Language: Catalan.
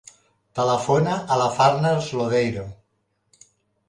Telefona a la Farners Lodeiro.